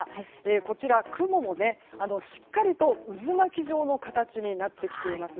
こちら、雲もしっかりと渦巻き状の形になっています。